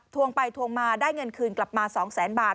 วงไปทวงมาได้เงินคืนกลับมา๒แสนบาท